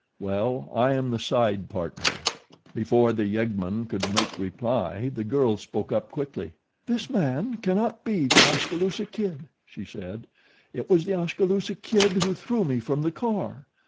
Well, I am the side partner." Before the yeggman could make reply the girl spoke up quickly. "This man cannot be The Oskaloosa Kid," she said. "It was The Oskaloosa Kid who threw me from the car."